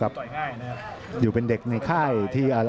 อัศวินาศาสตร์